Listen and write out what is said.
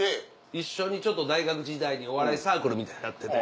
一緒に大学時代にお笑いサークルみたいのやってて。